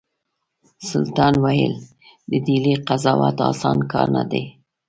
سلطان ویل د ډهلي قضاوت اسانه کار نه دی.